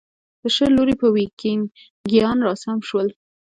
له شل لوري به ویکینګیان راسم شول.